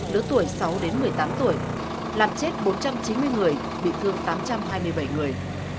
lứa tuổi sáu đến một mươi tám tuổi làm chết bốn trăm chín mươi người bị thương tám trăm hai mươi bảy người